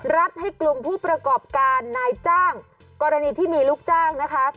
ให้กลุ่มผู้ประกอบการนายจ้างกรณีที่มีลูกจ้างนะคะ